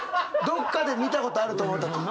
どっかで見たことあると思った。